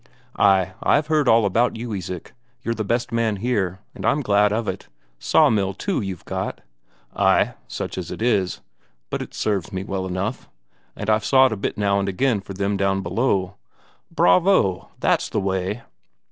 "Ay, I've heard all about you, Isak; you're the best man here. And I'm glad of it. Sawmill, too, you've got?" "Ay, such as it is. But it serves me well enough. And I've sawed a bit now and again for them down below." "Bravo! That's the way!"